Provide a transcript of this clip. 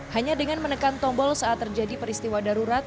hanya dengan menekan tombol saat terjadi peristiwa darurat